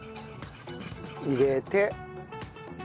入れて。